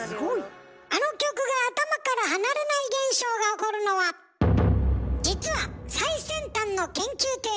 「あの曲が頭から離れない現象」が起こるのは実は最先端の研究テーマ！